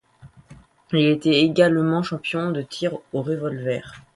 Il était également champion de tir au révolver.